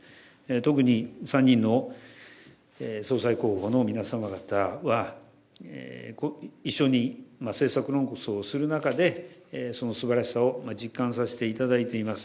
特に３人の総裁候補の皆様方は、一緒に政策論争をする中で、そのすばらしさを実感させていただいています。